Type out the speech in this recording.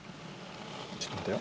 ちょっと待ってよ